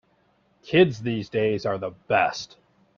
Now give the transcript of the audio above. Kids these days are the best.